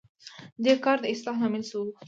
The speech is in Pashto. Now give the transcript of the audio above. دې کار د اصلاح لامل شو.